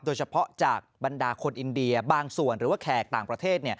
โดยเฉพาะจากบรรดาคนอินเดียบางส่วนหรือว่าแขกต่างประเทศ